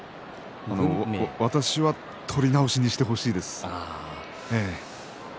私は取り直しにしてほしいです。